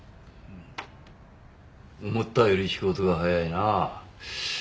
思ったより仕事が早いな。